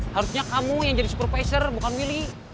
harusnya kamu yang jadi supervisor bukan milih